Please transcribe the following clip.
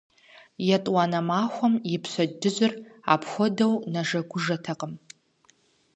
ЕтӀуанэ махуэм и пщэдджыжьыр апхуэдэу нэжэгужэтэкъым.